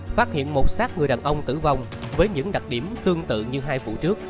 phát hiện một sát người đàn ông tử vong với những đặc điểm tương tự như hai vụ trước